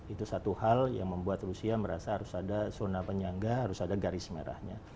itu satu hal yang membuat rusia merasa harus ada zona penyangga harus ada garis merahnya